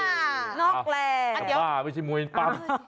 กระป้าไม่ใช่มืออินปั๊ม